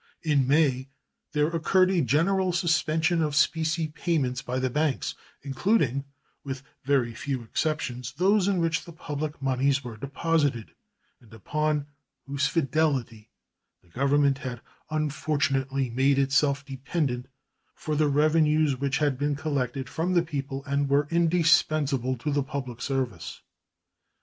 In May there occurred a general suspension of specie payments by the banks, including, with very few exceptions, those in which the public moneys were deposited and upon whose fidelity the Government had unfortunately made itself dependent for the revenues which had been collected from the people and were indispensable to the public service.